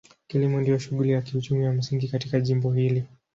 Kilimo ndio shughuli ya kiuchumi ya msingi katika jimbo hili.